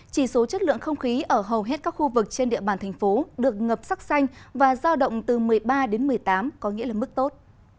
chỉ số chất lượng không khí ở hầu hết các khu vực trên địa bàn thành phố được ngập sắc xanh và giao động từ một mươi ba đến một mươi tám có nghĩa là mức tốt